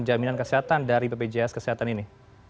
jaminan kesehatan dari bpjs kesehatan ini